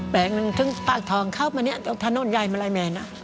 แปลงหนึ่งถึงปากทองเข้ามาเนี่ยตรงถนนใหญ่มาลัยแมน